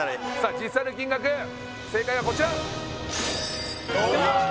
実際の金額正解はこちらイエーイ！